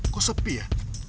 kok sepi ya